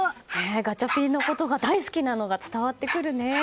ガチャピンのことが大好きなのが伝わってくるね。